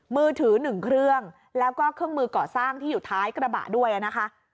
มือถือ๑เครื่องแล้วก็เครื่องมือก่อสร้างที่อยู่ท้ายกระบะด้วยนะคะ